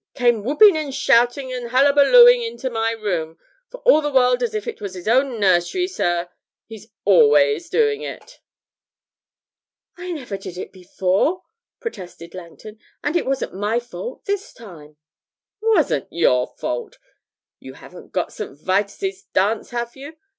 Came whooping and shouting and hullabalooing into my room, for all the world as if it was his own nursery, sir. He's always doing it!' 'I never did it before,' protested Langton, 'and it wasn't my fault this time.' 'Wasn't your fault! You haven't got St. Vitus' dance, have you?